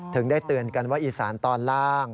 ได้เตือนกันว่าอีสานตอนล่าง